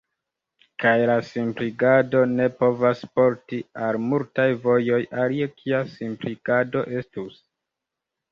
Kaj la simpligado ne povas porti al multaj vojoj, alie kia simpligado estus?